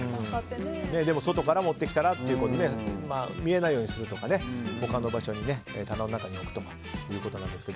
でも、外から持ってきたら見えないようにするとか他の場所に、棚の中に置くとかということですが。